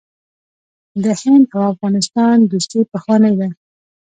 د هند او افغانستان دوستي پخوانۍ ده.